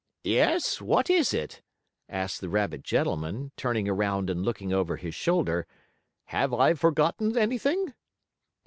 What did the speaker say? "Yes, what is it?" asked the rabbit gentleman, turning around and looking over his shoulder. "Have I forgotten anything?"